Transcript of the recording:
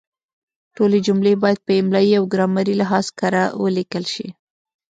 ټولې جملې باید په املایي او ګرامري لحاظ کره ولیکل شي.